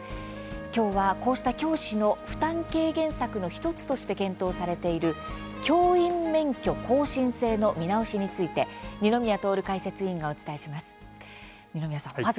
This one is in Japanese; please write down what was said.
きょうは、こうした教師の負担軽減策の１つとして検討されている教員免許更新制の見直しについて二宮徹解説委員がお伝えします。